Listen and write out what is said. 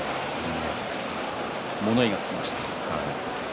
物言いがつきました。